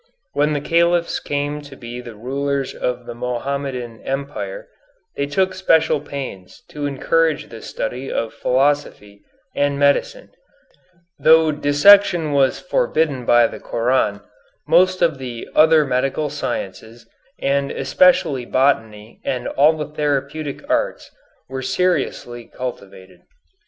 When the Caliphs came to be rulers of the Mohammedan Empire, they took special pains to encourage the study of philosophy and medicine; though dissection was forbidden by the Koran, most of the other medical sciences, and especially botany and all the therapeutic arts, were seriously cultivated.